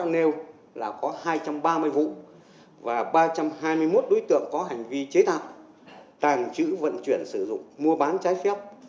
nêu là có hai trăm ba mươi vụ và ba trăm hai mươi một đối tượng có hành vi chế tạo tàng trữ vận chuyển sử dụng mua bán trái phép